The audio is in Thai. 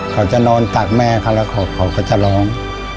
เขาจะนอนตักแม่เขาแล้วเขาก็จะร้อง